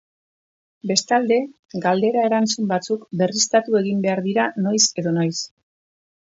Bestalde, galdera-erantzun batzuk berriztatu egin behar dira noiz edo noiz.